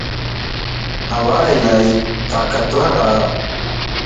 هوالائي طاقتور ا